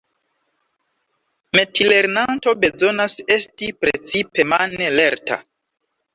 Metilernanto bezonas esti precipe mane lerta.